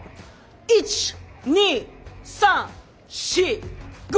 １２３４５。